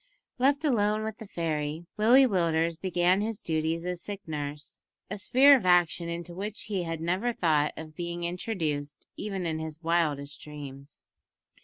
Left alone with the fairy, Willie Willders began his duties as sick nurse, a sphere of action into which he had never thought of being introduced, even in his wildest dreams.